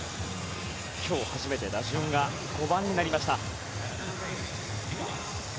今日初めて打順が５番になりました。